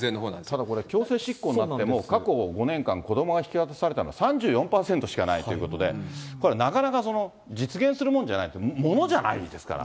ただ、これ、強制執行になっても、過去５年間子どもが引き渡されたのは３４％しかないということで、これ、なかなか実現するものじゃない、物じゃないですから。